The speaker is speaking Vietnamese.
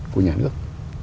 của nhà nước